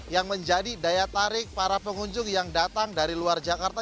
yang menjadi daya tarik para pengunjung yang datang dari luar jakarta